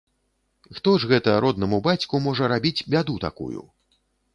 Хто ж гэта роднаму бацьку можа рабіць бяду такую?